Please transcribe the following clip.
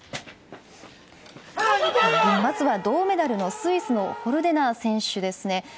まずは銅メダルのスイスのホルデナー選手です。